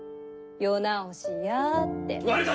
世直しやってぇ。